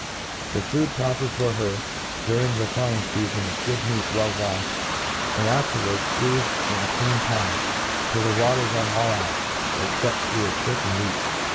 The food proper for her during the flying fca fou is good meat well waihed, sm^ afterwards fqueezed in a clean towel, till the water run all out, except ihe is (ick and weak.